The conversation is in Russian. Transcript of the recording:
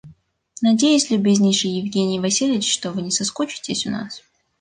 Надеюсь, любезнейший Евгений Васильич, что вы не соскучитесь у нас.